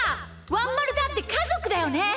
ワンまるだってかぞくだよね！